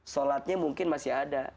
sholatnya mungkin masih ada